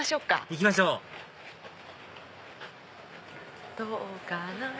行きましょうどうかなぁ。